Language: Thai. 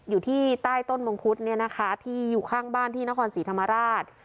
อยู่ที่ใต้ต้นมงคุดเนี่ยนะคะที่อยู่ข้างบ้านที่นครศรีธรรมราช